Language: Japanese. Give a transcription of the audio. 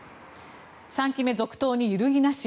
３期目続投に揺るぎなし？